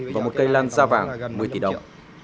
và một cây lan ra vàng một mươi tỷ đồng